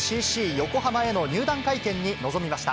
横浜への入団会見に臨みました。